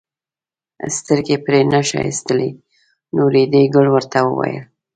سترګې پرې نه ښایستلې نو ریډي ګل ورته وویل.